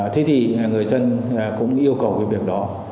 thế thì người dân cũng yêu cầu cái việc đó